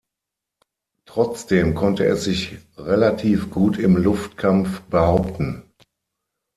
Trotzdem konnte es sich relativ gut im Luftkampf behaupten.